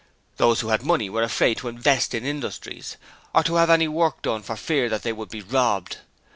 Those who had money were afraid to invest it in industries, or to have any work done for fear they would be robbed.